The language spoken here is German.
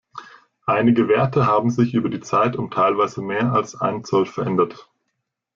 Einige Werte haben sich über die Zeit um teilweise mehr als ein Zoll verändert.